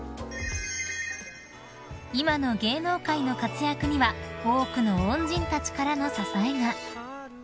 ［今の芸能界の活躍には多くの恩人たちからの支えが］